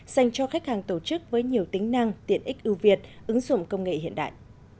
dành cho khách hàng tổ chức với nhiều tính năng tiện ích ưu việt ứng dụng công nghệ hiện đại